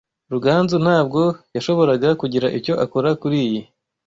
Ruganzu ntabwo yashoboraga kugira icyo akora kuriyi.